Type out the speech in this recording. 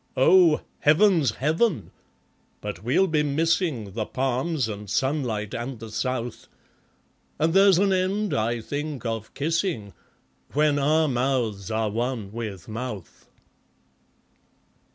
Oh, Heaven's Heaven! but we'll be missing The palms, and sunlight, and the south; And there's an end, I think, of kissing, When our mouths are one with Mouth.